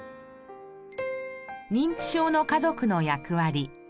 認知症の家族の役割。